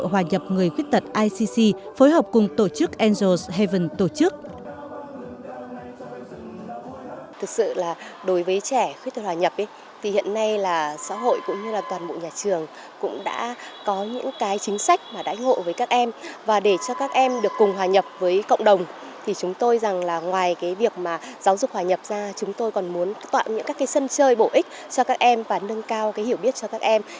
hòa nhập người khuyết tật icc phối hợp cùng tổ chức angels haven tổ chức